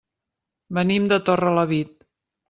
Venim de Torrelavit.